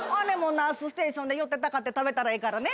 ナースステーションで寄ってたかって食べたらええからね。